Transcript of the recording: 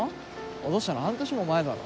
落としたの半年も前だろ。